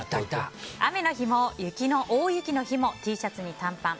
雨の日も雪の大雪の日もＴシャツに短パン。